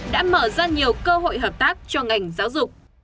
đã mở ra nhiều cơ hội hợp tác cho ngành giáo dục